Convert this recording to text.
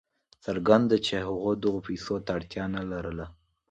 څرګنده ده چې هغه دغو پیسو ته اړتیا نه لرله.